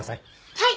はい！